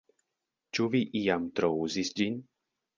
Ĉu vi iam trouzis ĝin?